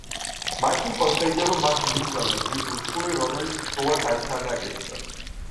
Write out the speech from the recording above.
მაშინ პოსეიდონმა მას მიუგზავნა ზღვის ურჩხული, რომელიც ტროას აჩანაგებდა.